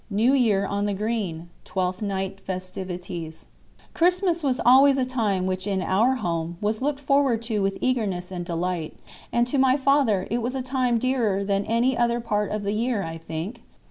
—New Year on the Green.—Twelfth Night festivities. [Picture: Mr. Pickwick slides] Christmas was always a time which in our home was looked forward to with eagerness and delight, and to my father it was a time dearer than any other part of the year, I think.